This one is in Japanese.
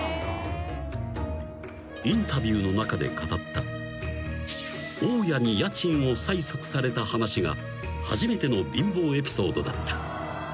［インタビューの中で語った大家に家賃を催促された話が初めての貧乏エピソードだった］